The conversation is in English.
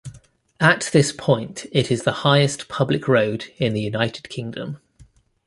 At this point it is the highest public road in the United Kingdom.